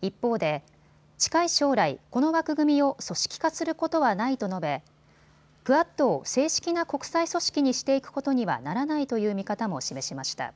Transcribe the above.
一方で近い将来、この枠組みを組織化することはないと述べ、クアッドを正式な国際組織にしていくことにはならないという見方も示しました。